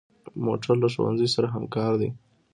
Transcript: موټر له ښوونځي سره همکار دی.